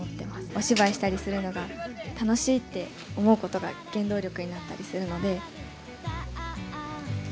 お芝居したりするのが楽しいって思うことが原動力になったりするので。